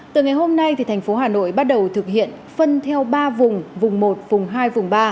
từ ngày hôm nay tp hcm bắt đầu thực hiện phân theo ba vùng vùng một vùng hai vùng ba